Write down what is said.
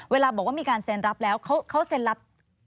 เวลาบอกว่ามีการเซ็นรับแล้วเขาเซ็นรับ